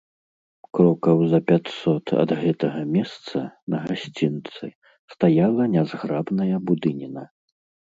Крокаў за пяцьсот ад гэтага месца, на гасцінцы, стаяла нязграбная будыніна.